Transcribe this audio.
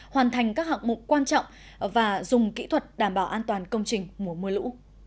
hoàn thành các hạng mục quan trọng và dùng kỹ thuật đảm bảo an toàn công trình mùa mưa lũ